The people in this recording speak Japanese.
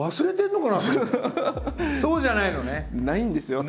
そうじゃないのね。